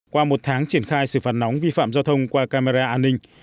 qua một tháng triển khai xử phạt nóng vi phạm giao thông qua camera an ninh